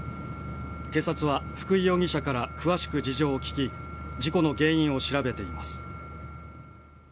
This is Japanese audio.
警察は福井容疑者から詳しく事情を聴き事故の原因を調べています。